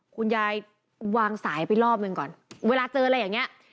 คุณยายวางสายไปรอบหนึ่งก่อนเวลาเจออะไรอย่างเงี้ย